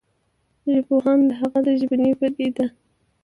ژبپوهان د هغه ژبنې پديده